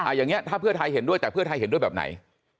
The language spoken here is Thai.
อย่างนี้ถ้าเพื่อไทยเห็นด้วยแต่เพื่อไทยเห็นด้วยแบบไหน